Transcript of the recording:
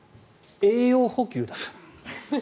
栄養補給だと。